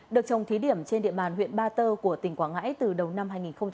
được trồng thí điểm trên địa bàn huyện ba tơ của tỉnh quảng ngãi từ đầu năm hai nghìn hai mươi